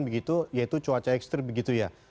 begitu yaitu cuaca ekstrim begitu ya